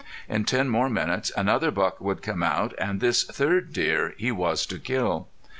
In ten more minutes another buck would come out, and this third deer he was to kill.